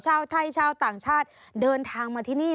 ชาวไทยชาวต่างชาติเดินทางมาที่นี่